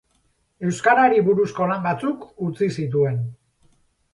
Euskarari buruzko lan batzuk utzi zituen.